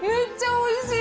おいしい！